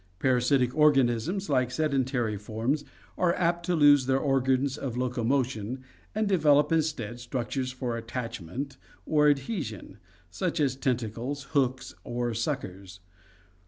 Parasitic organisms, like sedentary forms, are apt to lose their organs of locomotion and develop instead structures for attach ment or adhesion, such as tentacles, hooks or suckers.